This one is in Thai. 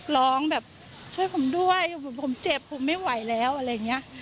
ร้องแบบช่วยผมด้วยผมเจ็บผมไม่ไหวแล้วอะไรอย่างนี้